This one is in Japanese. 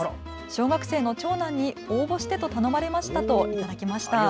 小学生の長男に応募してと頼まれましたと頂きました。